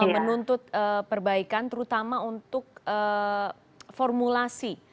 menuntut perbaikan terutama untuk formulasi